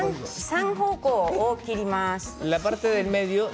３方向を切ります。